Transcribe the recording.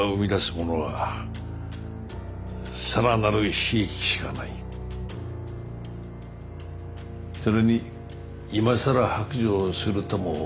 それに今更白状するとも思えませんし。